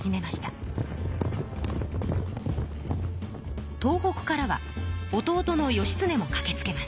東北からは弟の義経もかけつけます。